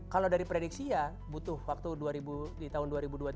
kalau dari prediksi ya butuh waktu di tahun dua ribu dua puluh tiga dua ribu dua puluh empat